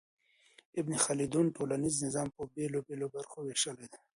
ابن خلدون ټولنيز نظام په بېلابېلو برخو وېشلی دی.